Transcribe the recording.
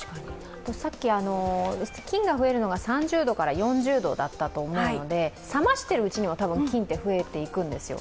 さっき、菌が増えるのが３０４０度だったと思うので冷ましているうちには、菌って増えていくんですよ。